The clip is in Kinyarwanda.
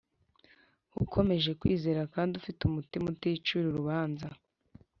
ukomeje kwizera kandi ufite umutima uticira urubanza.